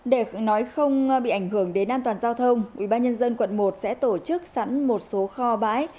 để nói không bị ảnh hưởng đến an toàn giao thông ubnd quận một sẽ tổ chức sẵn một số kho bãi